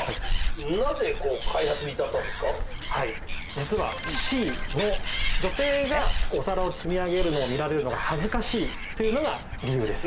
実はＣの「女性がお皿を積み上げるのを見られるのが恥ずかしい」というのが理由です。